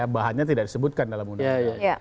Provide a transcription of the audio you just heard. bahannya tidak disebutkan dalam undang undang